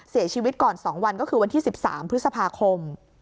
เสียชีวิตก่อน๒วันก็คือวันที่๑๓พฤษภาคม